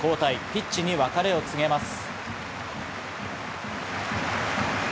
ピッチに別れを告げます。